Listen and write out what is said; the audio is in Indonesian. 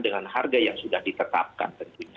dengan harga yang sudah ditetapkan tentunya